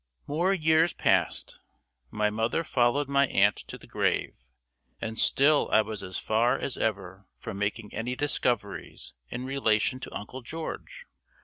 MORE years passed; my mother followed my aunt to the grave, and still I was as far as ever from making any discoveries in relation to Uncle George.